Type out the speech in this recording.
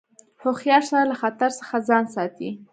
هوښیار سړی له خطر څخه ځان ساتي.